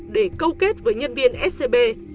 để câu kết với nhân viên scb